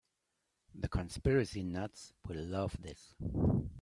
The conspiracy nuts will love this.